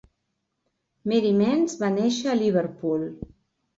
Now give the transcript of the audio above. Mary Mance va néixer a Liverpool.